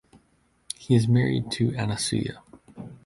He is married to "Anasuya".